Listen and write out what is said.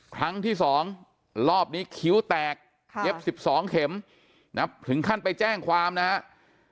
ครั้งที่๒รอบนี้คิ้วแตกเย็บ๑๒เข็มถึงขั้นไปแจ้งความนะครับ